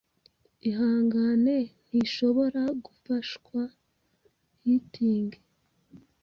Ihangane, ntihobora gufahwahitingi